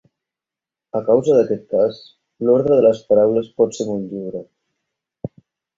A causa d'aquest cas, l'ordre de les paraules pot ser molt lliure.